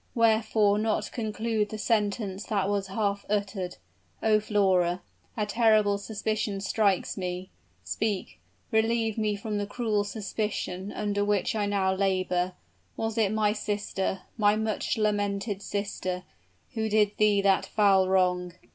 wherefore not conclude the sentence that was half uttered? Oh, Flora a terrible suspicion strikes me! Speak relieve me from the cruel suspicion under which I now labor; was it my sister my much lamented sister, who did thee that foul wrong?"